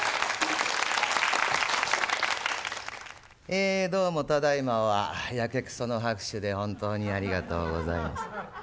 えどうもただいまはヤケクソの拍手で本当にありがとうございます。